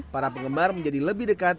para penggemar menjadi lebih dekat